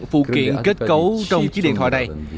phụ kiện kết cấu trong chiếc điện thoại này